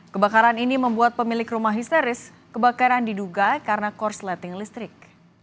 kebakaran ini membuat pemilik rumah histeris kebakaran diduga karena korsleting listrik